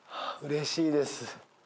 うれしいです。